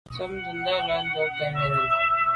Ntshob ndùlàlà ndo nke nène.